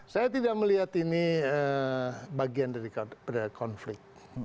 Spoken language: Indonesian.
saya tidak melihat ini bagian dari konflik